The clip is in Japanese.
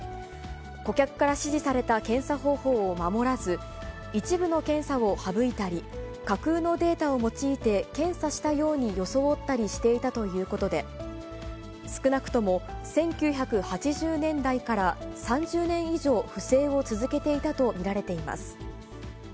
顧客から指示された検査方法を守らず、一部の検査を省いたり、架空のデータを用いて、検査したように装ったりしていたということで、少なくとも１９８０年代から３０年以上、不正を続けていたと見られています。